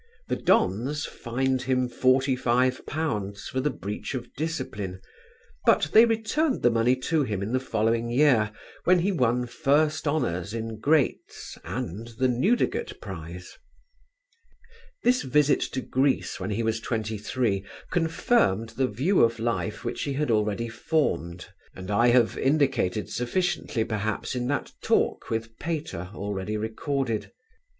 The Dons fined him forty five pounds for the breach of discipline; but they returned the money to him in the following year when he won First Honours in "Greats" and the Newdigate prize. This visit to Greece when he was twenty three confirmed the view of life which he had already formed and I have indicated sufficiently perhaps in that talk with Pater already recorded.